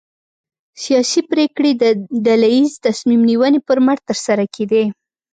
سیاسي پرېکړې د ډله ییزې تصمیم نیونې پر مټ ترسره کېدې.